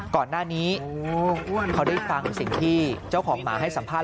ก่อนหน้านี้เขาได้ฟังสิ่งที่เจ้าของหมาให้สัมภาษ